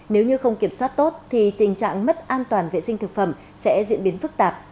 nếu như không kiểm soát tốt thì tình trạng mất an toàn vệ sinh thực phẩm sẽ diễn biến phức tạp